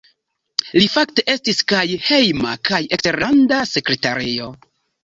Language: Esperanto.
Li fakte estis kaj Hejma kaj Eksterlanda Sekretario.